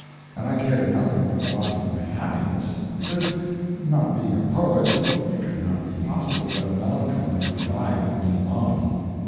And I cared nothing for the loss of my happiness, because, not being a poet, it could not be possible that melancholy would abide with me long.